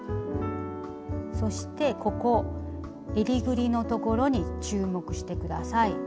そしてここえりぐりのところに注目してください。